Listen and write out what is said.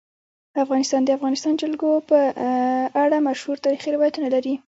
افغانستان د د افغانستان جلکو په اړه مشهور تاریخی روایتونه لري.